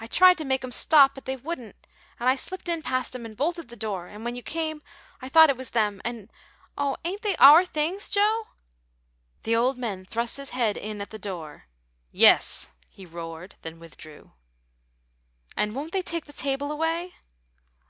"I tried to make 'em stop, but they wouldn't, and I slipped in past 'em and bolted the door; and when you came, I thought it was them and, oh! ain't they our things, Joe?" The old man thrust his head in at the door. "Yes," he roared, then withdrew. "And won't they take the table away?"